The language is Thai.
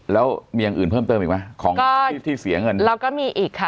แล้วมีอย่างอื่นเพิ่มเติมอีกไหมของที่ที่เสียเงินเราก็มีอีกค่ะ